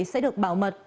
sẽ được bảo mật